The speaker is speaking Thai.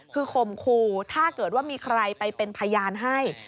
คือข่มขู่ถ้าเกิดว่ามีใครไปเป็นพยานให้